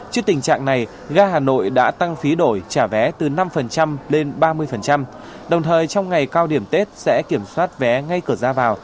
trước tình trạng này ga hà nội đã tăng phí đổi trả vé từ năm lên ba mươi đồng thời trong ngày cao điểm tết sẽ kiểm soát vé ngay cửa ra vào